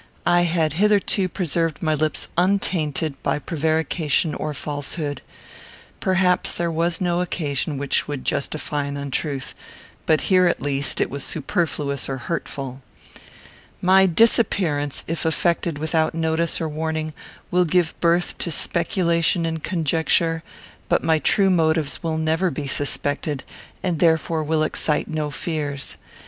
I had hitherto preserved my lips untainted by prevarication or falsehood. Perhaps there was no occasion which would justify an untruth; but here, at least, it was superfluous or hurtful. My disappearance, if effected without notice or warning, will give birth to speculation and conjecture; but my true motives will never be suspected, and therefore will excite no fears.